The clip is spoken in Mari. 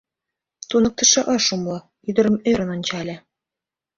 Туныктышо ыш умыло, ӱдырым ӧрын ончале.